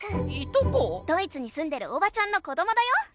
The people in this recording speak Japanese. ドイツにすんでるおばちゃんの子どもだよ。